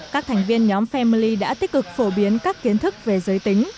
các thành viên nhóm family đã tích cực phổ biến các kiến thức về giới tính